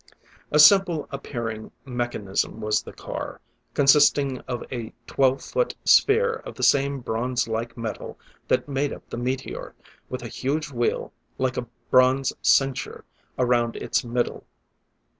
A simple appearing mechanism was the car, consisting of a twelve foot sphere of the same bronze like metal that made up the meteor, with a huge wheel, like a bronze cincture, around its middle.